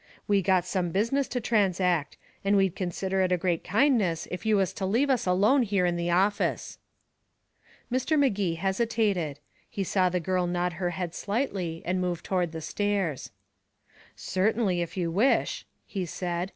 We got some business to transact, and we'd consider it a great kindness if you was to leave us alone here in the office." Mr. Magee hesitated. He saw the girl nod her head slightly, and move toward the stairs. "Certainly, if you wish," he said.